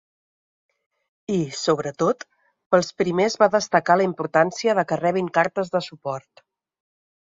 I, sobretot, pels primers va destacar la importància de que rebin cartes de suport.